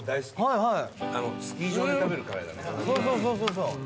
はいはい！